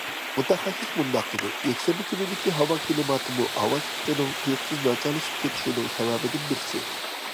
مۇتەخەسسىس مۇنداق دېدى: يەكشەنبە كۈنىدىكى ھاۋا كىلىماتىمۇ ھاۋا سۈپىتىنىڭ تۇيۇقسىز ناچارلىشىپ كېتىشىنىڭ سەۋەبىدىن بىرسى.